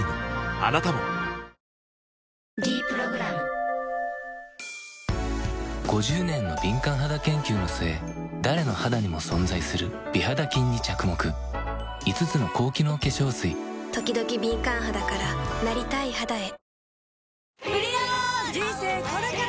あなたも「ｄプログラム」５０年の敏感肌研究の末誰の肌にも存在する美肌菌に着目５つの高機能化粧水ときどき敏感肌からなりたい肌へ人生これから！